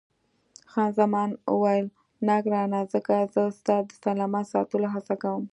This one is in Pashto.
خان زمان وویل، نه ګرانه، ځکه زه ستا د سلامت ساتلو هڅه کوم.